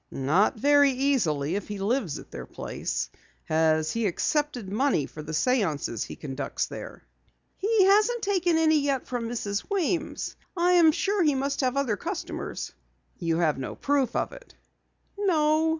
"Not very easily if he lives at their place. Has he accepted money for the séances he conducts there?" "He hasn't taken any yet from Mrs. Weems. I am sure he must have other customers." "You have no proof of it?" "No."